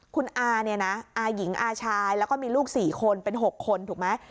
คุณอาเนี่ยนะอาหญิงอาชายแล้วก็มีลูก๔คนเป็น๖คนถูกไหม